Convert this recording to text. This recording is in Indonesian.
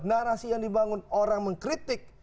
narasi yang dibangun orang mengkritik